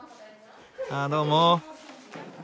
あどうも。